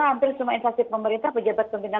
hampir semua instansi pemerintah pejabat pembinaan